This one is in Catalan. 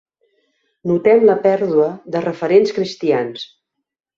Notem la pèrdua de referents cristians.